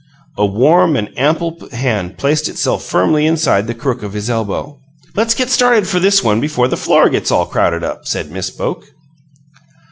A warm and ample hand placed itself firmly inside the crook of his elbow. "Let's get started for this one before the floor gets all crowded up," said Miss Boke.